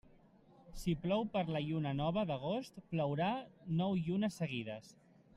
Si plou per la lluna nova d'agost, plourà nou llunes seguides.